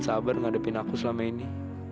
sabar ngadepin aku selama ini